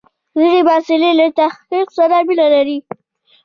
ځینې محصلین له تحقیق سره مینه لري.